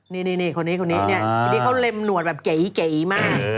นี่คนนี้ทีนี้เขาเล็มหนวดแบบเก๋มาก